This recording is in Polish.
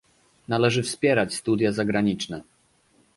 Należy wspierać studia zagraniczne